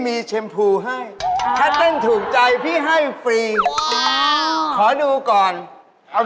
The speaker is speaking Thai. ถีบกันสองคนบอตน้องครับ